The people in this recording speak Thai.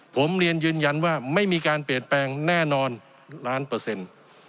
ผมเรียนยืนยันว่าไม่มีการเปลี่ยนแปลงแน่นอนล้านเปอร์เซ็นต์